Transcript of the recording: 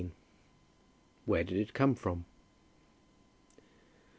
WHERE DID IT COME FROM?